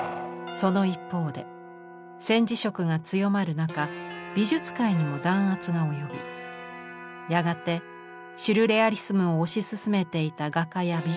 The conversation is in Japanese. その一方で戦時色が強まる中美術界にも弾圧が及びやがてシュルレアリスムを推し進めていた画家や美術批評家が逮捕されます。